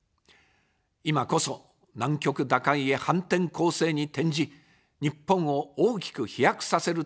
今こそ、難局打開へ反転攻勢に転じ、日本を大きく飛躍させる時です。